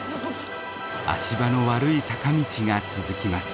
足場の悪い坂道が続きます。